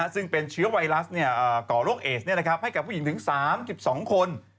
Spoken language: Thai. ซึ่งเป็นเชื้อไวรัสก่อโรคเอสให้กับผู้หญิงถึง๓๒คน